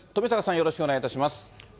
よろしくお願いします。